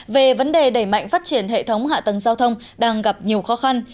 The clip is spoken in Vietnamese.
về vấn đề đẩy mạnh phát triển hệ thống hạ tầng giao thông đang gặp nhiều khó khăn